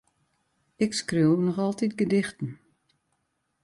Ik skriuw noch altyd gedichten.